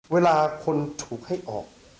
เวลาคนถูกให้ออก